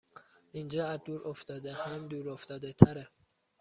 اینجااز دور افتاده هم دور افتاده تره